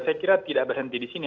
saya kira tidak berhenti di sini